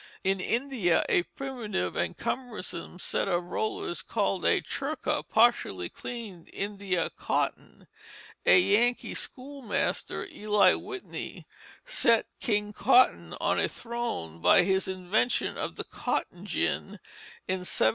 In India a primitive and cumbersome set of rollers called a churka partially cleaned India cotton. A Yankee schoolmaster, Eli Whitney, set King Cotton on a throne by his invention of the cotton gin in 1792.